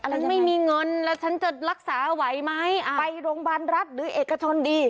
ฉันไม่มีเงินแล้วฉันจะรักษาไหวไหมไปโรงพยาบาลรัฐหรือเอกชนดี